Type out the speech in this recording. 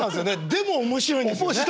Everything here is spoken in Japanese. でも面白いんですよね。